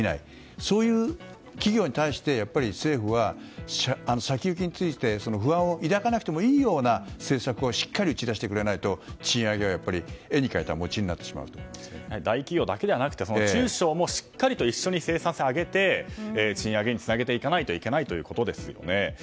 そういう企業に対して、政府は先行きについて不安を抱かなくてもいいような政策をしっかり打ち出してくれないと賃上げは絵に描いた餅に大企業だけでなく中小もしっかりと一緒に生産性を上げて賃上げにつなげていかないといけないということですよね。